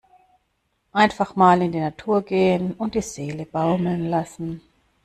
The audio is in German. Einfach mal in die Natur gehen und die Seele baumeln lassen!